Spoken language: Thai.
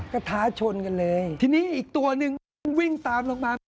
ก็ท้าชนกันเลยทีนี้อีกตัวหนึ่งก็ต้องวิ่งตามลงมา